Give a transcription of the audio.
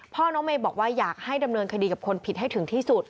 น้องเมย์บอกว่าอยากให้ดำเนินคดีกับคนผิดให้ถึงที่สุด